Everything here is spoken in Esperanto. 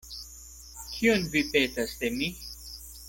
Kion vi petas de mi?